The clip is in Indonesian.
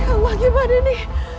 ya allah gimana ini